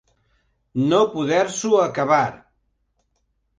No poder-s'ho acabar.